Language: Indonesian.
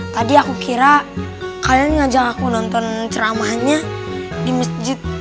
tadi aku kira kalian ngajak aku nonton ceramahnya di masjid